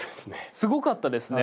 すごかったですね。